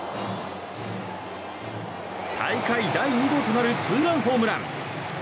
大会第２号となるツーランホームラン。